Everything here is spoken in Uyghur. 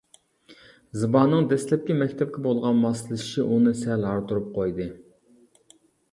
زىبانىڭ دەسلەپكى مەكتەپكە بولغان ماسلىشىشى ئۇنى سەل ھاردۇرۇپ قويدى.